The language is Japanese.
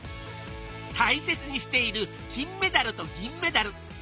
大切にしている金メダルと銀メダル。